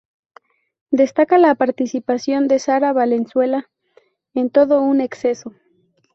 Destaca la participación de Sara Valenzuela en "Todo con exceso".